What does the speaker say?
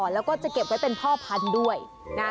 แล้วก็จะเก็บไว้เป็นพ่อพันธุ์ด้วยนะ